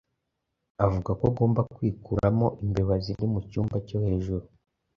Avuga ko agomba kwikuramo imbeba ziri mu cyumba cyo hejuru.